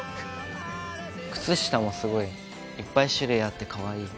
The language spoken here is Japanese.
靴下もすごいいっぱい種類あってカワイイ。